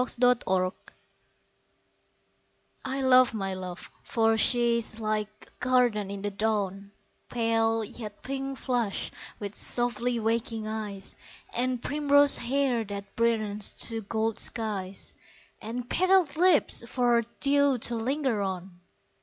I Love My Love I LOVE my love for she is like a garden in the dawn, Pale, yet pink flushed, with softly waking eyes, And primrose hair that brightens to gold skies, And petalled lips for dew to linger on.